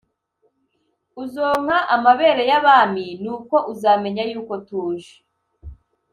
uzonka amabere y abami nuko uzamenya yuko tuje